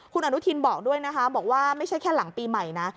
คุณอนุทินบอกด้วยนะคะบอกว่าไม่ใช่แค่หลังปีใหม่นะ